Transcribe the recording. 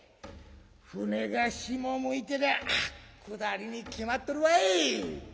船が下向いてりゃ下りに決まっとるわい！」。